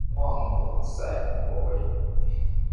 望谟崖摩为楝科崖摩属下的一个种。